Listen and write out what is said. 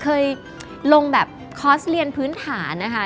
เคยลงแบบคอร์สเรียนพื้นฐานนะคะ